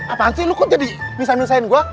apaan sih lu kok jadi nisam nisain gua